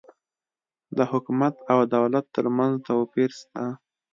د حکومت او دولت ترمنځ توپیر سته